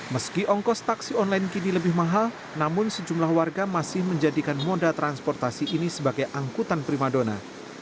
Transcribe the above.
meski ongkos taksi online kini lebih mahal namun sejumlah warga masih menjadikan moda transportasi ini sebagai angkutan primadona